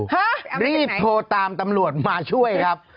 ฮะรีบโทรตามตำรวจมาช่วยครับ